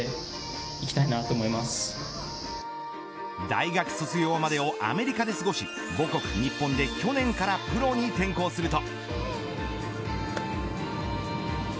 大学卒業までをアメリカで過ごし母国、日本で去年からプロに転向すると。